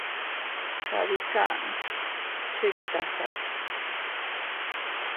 Sadikan chiktasa.